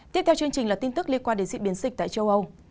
tiếp theo chương trình là tin tức liên quan đến diễn biến dịch tại châu âu